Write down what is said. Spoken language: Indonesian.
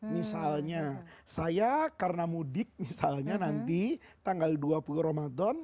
misalnya saya karena mudik misalnya nanti tanggal dua puluh ramadan